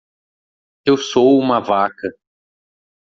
Eu sou uma vaca